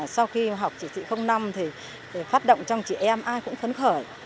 sau khi học chỉ thị năm thì phát động trong chị em ai cũng phấn khởi